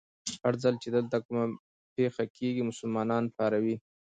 هر ځل چې دلته کومه پېښه کېږي، مسلمانان پاروي.